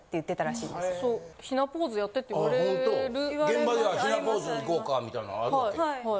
現場では「雛ポーズ行こうか」みたいなんあるわけ。